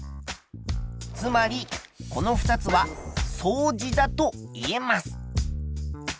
つまりこの２つは相似だといえます。